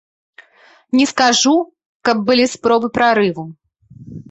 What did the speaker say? Не скажу, каб былі спробы прарыву.